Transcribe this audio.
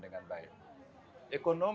dengan baik ekonomi